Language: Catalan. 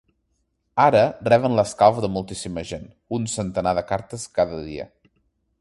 Ara, reben l’escalf de moltíssima gent: un centenar de cartes cada dia.